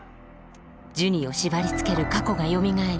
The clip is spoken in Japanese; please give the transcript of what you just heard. ジュニを縛りつける過去がよみがえり